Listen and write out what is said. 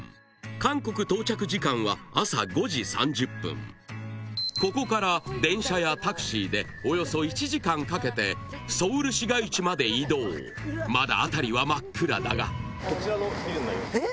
韓国到着時間はここから電車やタクシーでおよそ１時間かけてソウル市街地まで移動まだ辺りは真っ暗だがえっ？